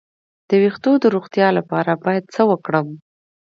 د ویښتو د روغتیا لپاره باید څه وکړم؟